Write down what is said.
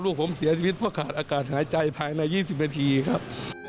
ลูกผมเสียชีวิตเพราะขาดอากาศหายใจภายใน๒๐นาทีครับ